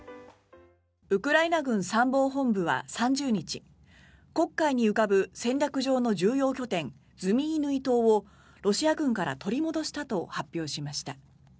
ウクライナ軍参謀本部は３０日黒海に浮かぶ戦略上の重要拠点ズミイヌイ島をロシア軍から取り戻したと発表しました。